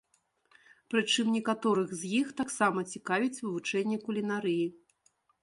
Прычым некаторых з іх таксама цікавіць вывучэнне кулінарыі.